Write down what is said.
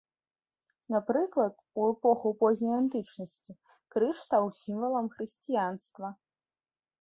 Напрыклад, у эпоху позняй антычнасці крыж стаў сімвалам хрысціянства.